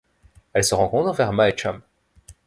Elle se rencontre vers Mae Cham.